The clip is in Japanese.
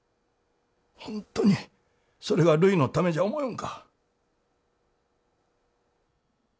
本当にそれがるいのためじゃ思よんか。